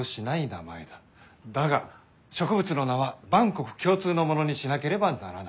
だが植物の名は万国共通のものにしなければならない。